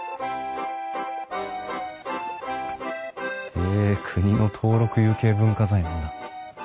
へえ国の登録有形文化財なんだ。